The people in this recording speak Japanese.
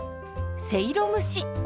せいろ蒸し。